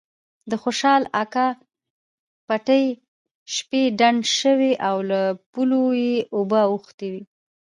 د خوشال اکا پټی شپې ډنډ شوی له پولو یې اوبه اوختي.